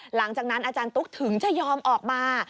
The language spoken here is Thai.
หลังจากนั้นอาจารย์ตุ๊กถึงจะยอมออกมา